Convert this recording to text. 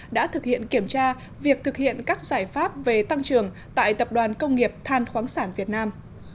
đã thực hiện kiểm tra việc thực hiện các giải pháp về tăng trưởng tại tập đoàn công nghiệp than khoáng sản việt nam